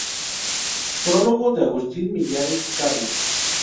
Prólogo de Agustín Millares Carlo.